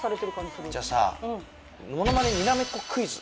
じゃあさ。